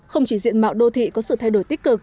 không chỉ diện mạo đô thị có sự thay đổi tích cực